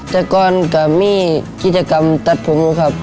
แต่ก่อนก็มีกิจกรรมตัดผมครับ